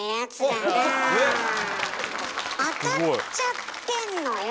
当たっちゃってんのよ。